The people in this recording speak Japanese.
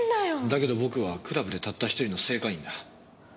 だけど僕はクラブでたった１人の正会員だ。